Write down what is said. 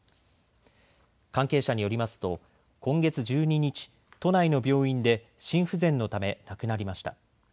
関係者によりますと今月１２日、都内の病院で心不全のため亡くなりました。